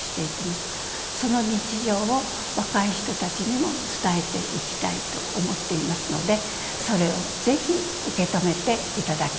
その日常を若い人たちにも伝えていきたいと思っていますのでそれを是非受け止めていただきたいと思います。